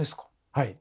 はい。